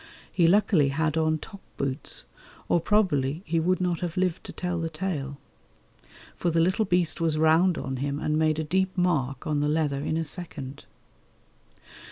He luckily had on top boots, or probably he would not have lived to tell the tale, for the little beast was round on him and made a deep mark on the leather in a second.